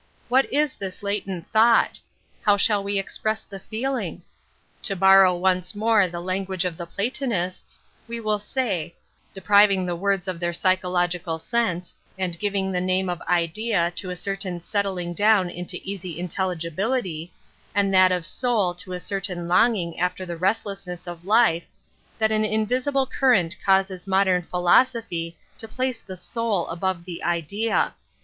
What is this latent thought? How shall we express the feeling? To borrow once more the language of the Platonists, we will say — depriving the words of their psychological sense, and g Metaphysics 79 ing the name of Idea to a certain settling down into easy intelligibility, and that of Soul to a certain longing after the restless ness of life — that an invisible current causes modem philosophy to place the Soul above the Idea.